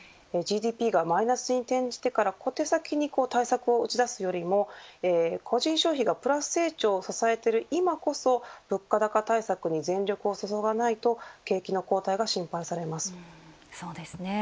ＧＤＰがマイナスに転じてから小手先に対策を打ち出すよりも個人消費がプラス成長を支えている今こそ物価高対策に全力をそそがないと景気の後退が心配されます。